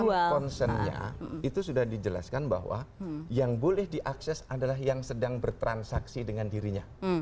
kalau concernnya itu sudah dijelaskan bahwa yang boleh diakses adalah yang sedang bertransaksi dengan dirinya